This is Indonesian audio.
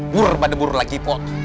bur pada bur lagi pot